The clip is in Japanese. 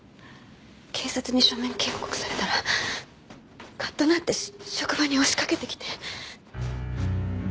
警察に書面警告されたらカッとなって職場に押しかけてきて。